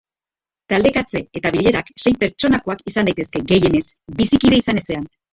Taldekatze eta bilerak sei pertsonakoak izan daitezke, gehienez, bizikide izan ezean.